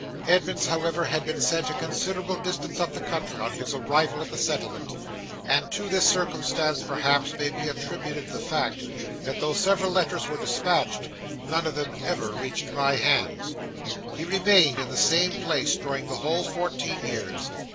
'Edmunds, however, had been sent a considerable distance up the country on his arrival at the settlement; and to this circumstance, perhaps, may be attributed the fact, that though several letters were despatched, none of them ever reached my hands. He remained in the same place during the whole fourteen years.